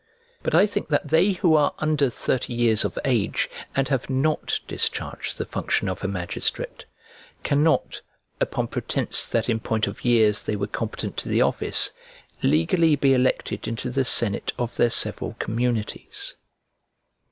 But I think that they who are under thirty years of age, and have not discharged the function of a magistrate, cannot, upon pretence that in point of years they were competent to the office, legally be elected into the senate of their several communities.